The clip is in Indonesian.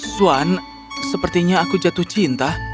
swan sepertinya aku jatuh cinta